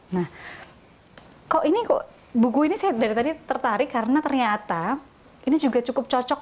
nah kok ini kok buku ini saya dari tadi tertarik karena ternyata ini juga cukup cocok